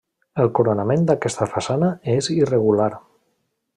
El coronament d'aquesta façana és irregular.